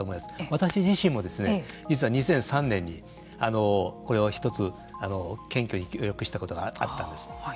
私自身も、実は２００３年にこれを１つ検挙に協力したことがあったんです。